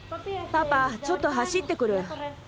パパちょっと走ってくる。